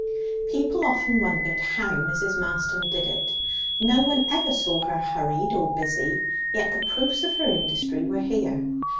People often wondered how Mrs. Marston did it. No one ever saw her hurried or busy, yet the proofs of her industry were here.